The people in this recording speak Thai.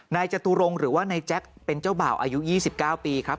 จตุรงค์หรือว่านายแจ็คเป็นเจ้าบ่าวอายุ๒๙ปีครับ